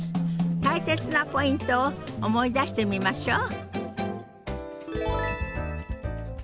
大切なポイントを思い出してみましょう。